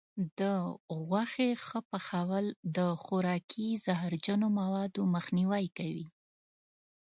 د غوښې ښه پخول د خوراکي زهرجنو موادو مخنیوی کوي.